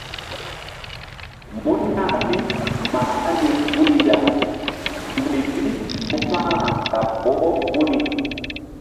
Mun ya̧h bi mah hani guri ya ndoy bi ɓu pa̧hra laɓ boh guri.